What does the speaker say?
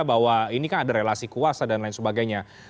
bahwa ini kan ada relasi kuasa dan lain sebagainya